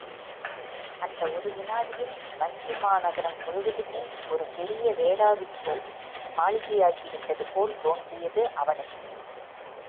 அந்த ஒரு விநாடியில் வஞ்சிமாநகரம் முழுவதுமே ஒரு பெரிய வேளாவிக்கோ மாளிகையாகிவிட்டதுபோல் தோன்றியது அவனுக்கு.